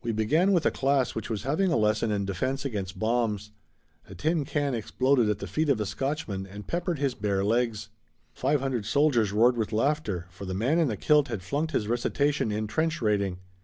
We began with a class which was having a lesson in defense against bombs. A tin can exploded at the feet of a Scotchman and peppered his bare legs. Five hundred soldiers roared with laughter, for the man in the kilt had flunked his recitation in "Trench Raiding."